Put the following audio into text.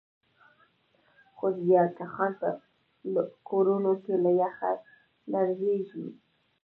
خو زیارکښان په کورونو کې له یخه لړزېږي